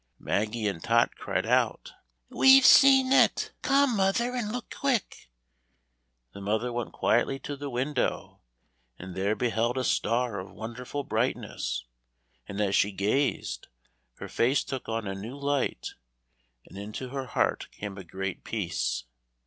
Maggie and Tot cried out, "We've seen it; come, mother, and look quick." The mother went quietly to the window, and there beheld a star of wonderful brightness, and as she gazed, her face took on a new light and into her heart came a great peace.